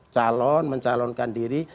calon mencalonkan diri